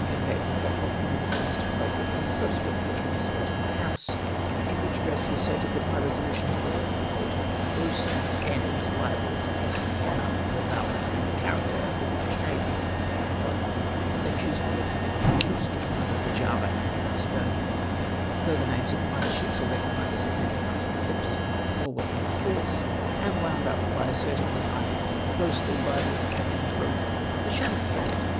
303 pared Avith what fell from the lips of Mr. Croker in the subsequent portion of his address to the House ; in which address he asserted that my resolutions were " gross and scandalous hbels against the honour, the valour, and the character of the British naAy "— accused me of having traduced the commander of the Java and Macedonian^ though the names of either ships or their commanders had never passed my lips, nor were in my thoughts — and wound up by asserting that I had grossly libelled Captain Broke of the Shannon frigate!